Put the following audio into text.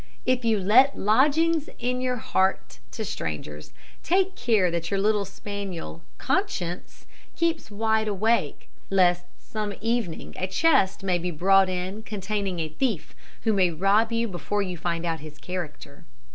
If you let lodgings in your heart to strangers, take care that your little spaniel Conscience keeps wide awake, lest some evening a chest may be brought in containing a thief who may rob you before you find out his character.